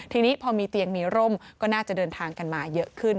ทีนี้พอมีเตียงมีร่มก็น่าจะเดินทางกันมาเยอะขึ้น